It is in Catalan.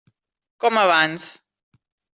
Com abans.